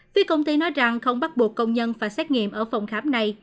phía công ty nói rằng không bắt buộc công nhân phải xét nghiệm ở phòng khám này